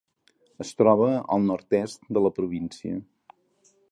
Es troba al nord-est de la província.